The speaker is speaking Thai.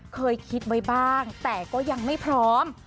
เคยคิดไว้บ้างแต่ก็ยังไม่พร้อม